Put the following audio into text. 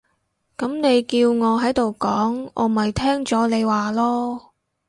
噉你叫我喺度講，我咪聽咗你話囉